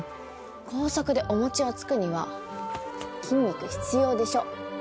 高速でおもちをつくには筋肉必要でしょ！